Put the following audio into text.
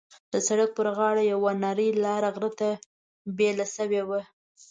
د سړک پر غاړه یوه نرۍ لاره غره ته بېله شوې وه.